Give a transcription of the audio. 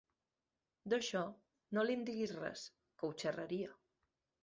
D'això, no li'n diguis res, que ho xerraria.